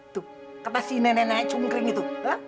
tuh kata si nenek neneknya cungkring itu